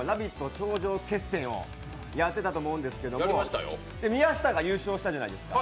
頂上決戦をやってたと思うんですけど宮下が優勝したじゃないですか。